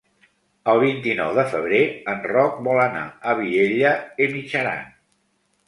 El vint-i-nou de febrer en Roc vol anar a Vielha e Mijaran.